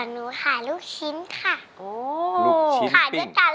แล้วน้องใบบัวร้องได้หรือว่าร้องผิดครับ